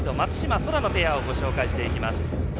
空のペアを紹介していきます。